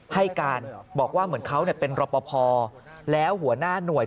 ให้การบอกว่าเหมือนเขาเป็นรอปภแล้วหัวหน้าหน่วย